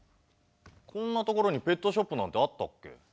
こんな所にペットショップなんてあったっけ？